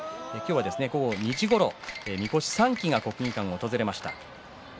午後２時ごろ、みこし３基が国技館を訪れました。